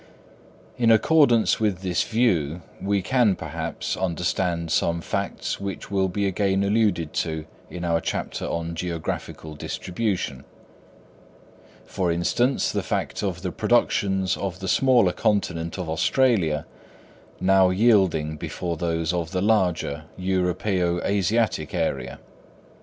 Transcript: In accordance with this view, we can, perhaps, understand some facts which will be again alluded to in our chapter on Geographical Distribution; for instance, the fact of the productions of the smaller continent of Australia now yielding before those of the larger Europæo Asiatic area.